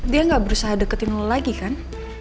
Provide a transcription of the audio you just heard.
dia nggak berusaha deketin lo lagi kan